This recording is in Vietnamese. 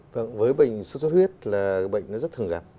vâng với bệnh sốt xuất huyết là bệnh nó rất thường gặp